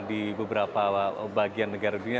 di beberapa bagian negara dunia